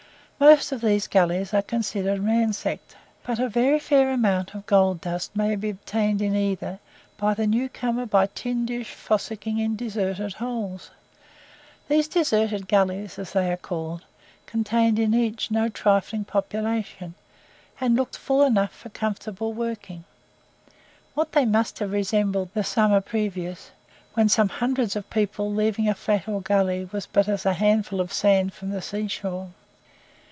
Most of these gullies are considered ransacked, but a very fair amount of gold dust may be obtained in either by the new comer by tin dish fossicking in deserted holes. These deserted gullies, as they are called, contained in each no trifling population, and looked full enough for comfortable working. What must they have resembled the summer previous, when some hundreds of people leaving a flat or gully was but as a handful of sand from the sea shore!